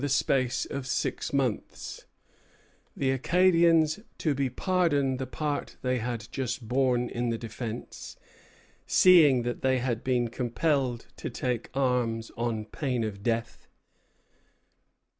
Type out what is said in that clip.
The Acadians to be pardoned the part they had just borne in the defence, "seeing that they had been compelled to take arms on pain of death."